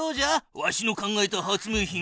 わしの考えた発明品は。